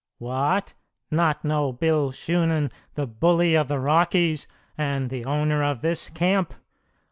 "What! Not know Bill Shunan, the bully of the Rockies, and the owner of this camp?